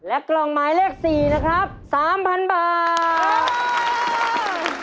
กล่องหมายเลข๔นะครับ๓๐๐๐บาท